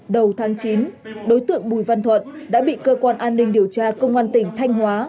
đầu tháng chín đối tượng bùi văn thuận đã bị cơ quan an ninh điều tra công an tỉnh thanh hóa